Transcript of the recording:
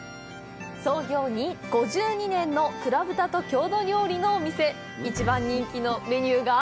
創業５２年の黒豚と郷土料理のお店一番人気のメニューが？